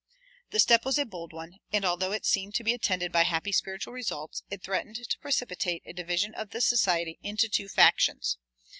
"[218:1] The step was a bold one, and although it seemed to be attended by happy spiritual results, it threatened to precipitate a division of "the Society" into two factions.